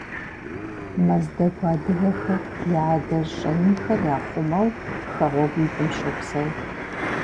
Мэздэгу адыгэхэр я адэжь щӏэинхэр яхъумэу хэгъуэгуитӏым щопсэу.